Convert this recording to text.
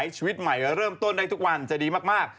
ชีวิตใหม่เริ่มต้นได้ทุกวันจะดีมาก